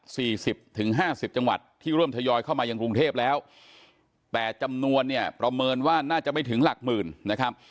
สิบถึงห้าสิบจังหวัดที่เริ่มทยอยเข้ามายังกรุงเทพแล้วแต่จำนวนเนี่ยประเมินว่าน่าจะไม่ถึงหลักหมื่นนะครับ